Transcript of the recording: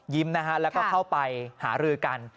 นะฮะแล้วก็เข้าไปหารือกัน